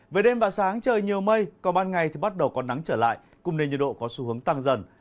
về đêm và sáng trời nhiều mây còn ban ngày thì bắt đầu có nắng trở lại cùng nền nhiệt độ có xu hướng tăng dần